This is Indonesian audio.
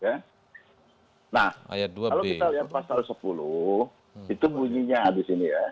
kalau kita lihat pasal sepuluh itu bunyinya ada disini ya